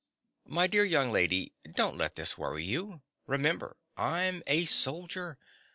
My dear young lady, don't let this worry you. Remember: I'm a soldier.